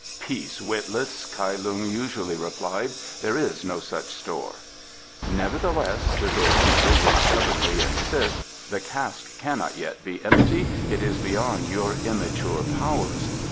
"Peace, witless," Kai Lung usually replied; "there is no such store." "Nevertheless," the doorkeeper would stubbornly insist, "the cask cannot yet be empty. It is beyond your immature powers."